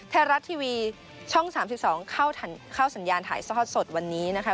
ไทยรัฐทีวีช่อง๓๒เข้าสัญญาณถ่ายทอดสดวันนี้นะคะ